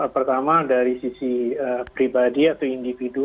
pertama dari sisi pribadi atau individu